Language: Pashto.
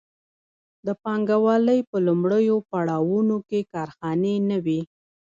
د پانګوالۍ په لومړیو پړاوونو کې کارخانې نه وې.